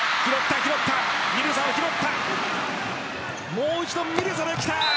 もう一度、ミルザできた。